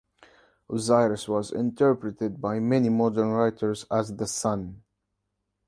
Osiris was interpreted by many modern writers as the sun.